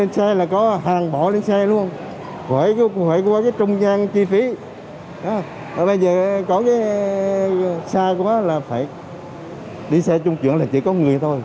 xa quá là phải đi xe chung chuyển là chỉ có người thôi